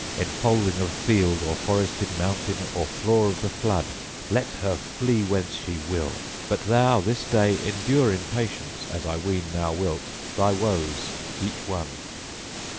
enfolding of field or forested mountain or floor of the flood, let her flee where she will! But thou this day endure in patience, as I ween thou wilt, thy woes each one."